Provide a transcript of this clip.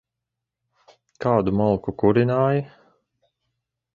Kādu malku kurināji?